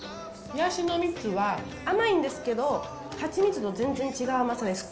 ヤシの蜜は甘いんですけど蜂蜜と全然違う甘さです。